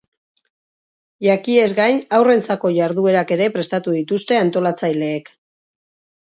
Jakiez gain, haurrentzako jarduerak ere prestatu dituzte antolatzaileek.